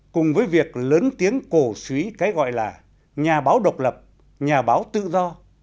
cùng với việc lớn tiếng cổ suý cái gọi là nhà báo độc lập nhà báo tự do